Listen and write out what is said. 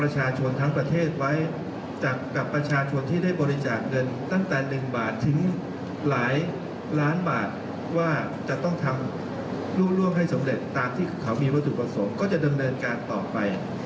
ทั้งประเทศไว้กับประชาชนที่ได้บริจาคเงินตั้งแต่๑บาททิ้งหลายล้านบาทว่าจะต้องทำร่วมให้สำเร็จตามที่เขามีวัตถุประสงค์ก็จะดำเนินการต่อไป